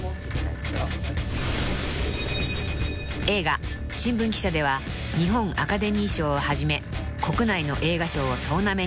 ［映画『新聞記者』では日本アカデミー賞をはじめ国内の映画賞を総なめに］